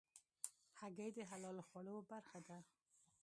هګۍ د حلالو خوړو برخه ده.